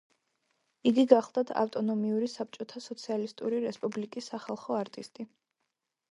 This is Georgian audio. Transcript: იგი გახლდათ ავტონომიური საბჭოთა სოციალისტური რესპუბლიკის სახალხო არტისტი.